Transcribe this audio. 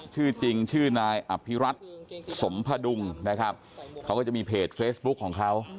ชื่อจริงชื่อนายอภิรัตน์สมพดุงนะครับเขาก็จะมีเพจเฟซบุ๊คของเขา